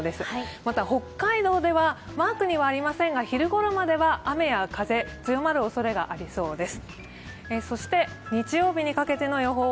また北海道ではマークにはありませんが、昼ごろまでは雨や風、強まるおそれがありそうです。